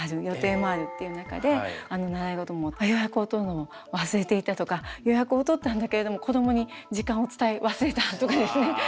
予定もあるっていう中で習い事も予約を取るのも忘れていたとか予約を取ったんだけれども子どもに時間を伝え忘れたとかですね。